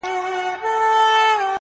هر څوک د خپلي لمني اور وژني.